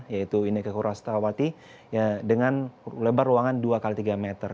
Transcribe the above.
yaitu ineke hurastawati dengan lebar ruangan dua x tiga meter